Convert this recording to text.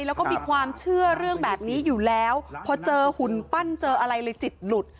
แล้วก็มีความเชื่อเรื่องแบบนี้อยู่แล้วพอเจอหุ่นปั้นเจออะไรเลยจิตหลุด